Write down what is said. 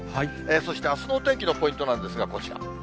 そしてあすのお天気のポイントなんですが、こちら。